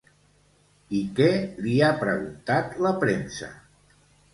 I què li ha preguntat la premsa?